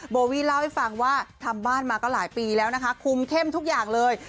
โบวี่เล่าให้ฟังว่าทำบ้านมาก็หลายปีแล้วนะคะคุมเข้มทุกอย่างเลย